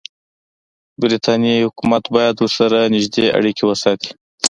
برټانیې حکومت باید ورسره نږدې اړیکې وساتي.